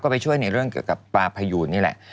ไปช่วยในเรื่องเกี่ยวกับปลาพยูนนี่แหละ